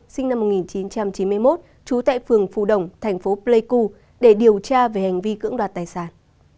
sinh năm một nghìn chín trăm chín mươi một trú tại phường phù đồng thành phố pleiku để điều tra về hành vi cưỡng đoạt tài sản